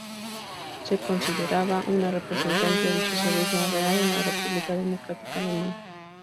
Se consideraba una representante del socialismo real en la República Democrática Alemana.